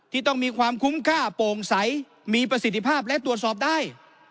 ที่ต้องมีความคุ้มค่าโปร่งใสมีประสิทธิภาพและตรวจสอบได้